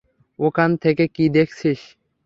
ওখান থেকে কী দেখছিস?